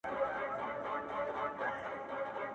وې سترگي دي و دوو سترگو ته څومره فکر وړي~